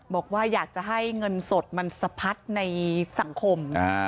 บอกว่าอยากจะให้เงินสดมันสะพัดในสังคม